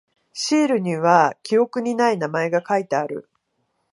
シールには記憶にない名前が書いてある。